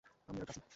আমি আর গ্রাজি?